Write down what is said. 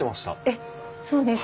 えっそうですか。